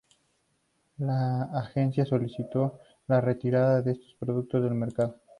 La agencia solicitó la retirada de estos productos del mercado.